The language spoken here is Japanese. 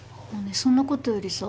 そんなことよりさ